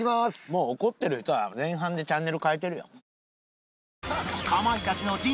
もう怒ってる人は前半でチャンネル変えてるよ。